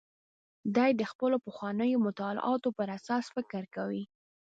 دی د خپلو پخوانیو مطالعاتو پر اساس فکر کوي.